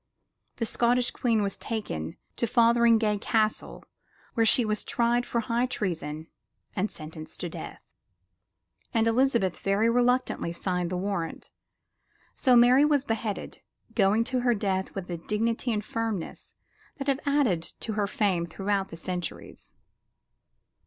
The Scottish Queen was taken to Fotheringay Castle, where she was tried for high treason and sentenced to death, and Elizabeth very reluctantly signed the warrant. So Mary was beheaded, going to her death with a dignity and firmness that have added to her fame throughout the centuries.